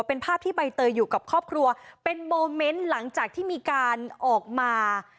เป็นภาพที่ใบเตยอยู่กับครอบครัวเป็นโมเมนต์หลังจากที่มีการออกมา